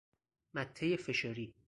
مته فشاری